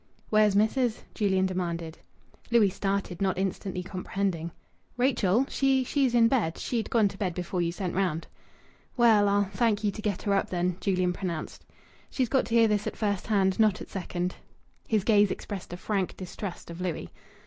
"Where's missis?" Julian demanded. Louis started, not instantly comprehending. "Rachel? She's she's in bed. She'd gone to bed before you sent round." "Well, I'll thank ye to get her up, then!" Julian pronounced. "She's got to hear this at first hand, not at second." His gaze expressed a frank distrust of Louis.